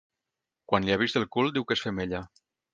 Quan li ha vist el cul diu que és femella.